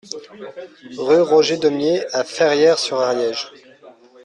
Rue Roger Deumié à Ferrières-sur-Ariège